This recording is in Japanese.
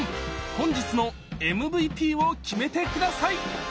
本日のＭＶＰを決めて下さい！